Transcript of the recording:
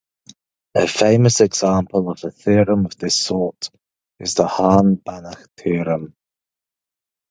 A famous example of a theorem of this sort is the Hahn-Banach theorem.